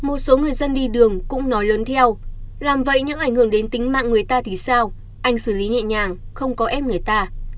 một số người dân đi đường cũng nói lớn theo làm vậy những ảnh hưởng đến tính mạng người ta thì sao anh xử lý nhẹ nhàng không có ép người ta